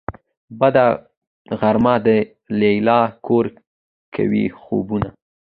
بده غرمه ده ليلا کور کوي خوبونه